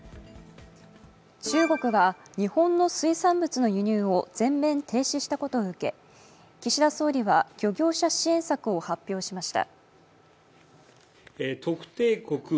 中国が日本の水産物の輸入を全面停止したことを受け、岸田総理は漁業者支援策を発表しました。